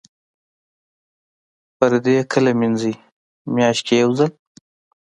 پردې کله مینځئ؟ میاشت کې یوځل